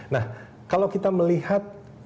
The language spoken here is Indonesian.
nah kalau kita melihat